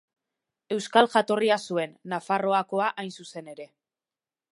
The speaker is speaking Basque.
Euskal jatorria zuen, Nafarroakoa hain zuzen ere.